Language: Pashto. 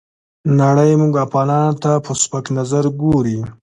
نړۍ موږ افغانانو ته په سپک نظر ګوري.